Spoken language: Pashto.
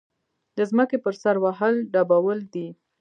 د ځمکې پر سر وهل ډبول دي.